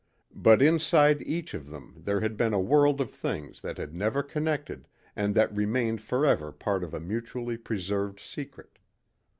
But inside each of them there had been a world of things that had never connected and that remained forever part of a mutually preserved secret.